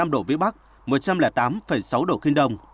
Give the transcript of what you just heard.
hai mươi năm độ vĩ bắc một trăm linh tám sáu độ kinh đông